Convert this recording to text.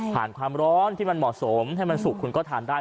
ความร้อนที่มันเหมาะสมให้มันสุกคุณก็ทานได้